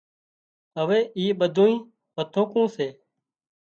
هوي اِي ٻڌونئي هٿُوڪون سي